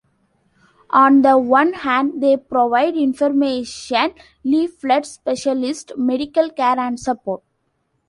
On the one hand, they provide information leaflets, specialist medical care and support.